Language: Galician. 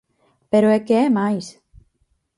Pero é que é máis.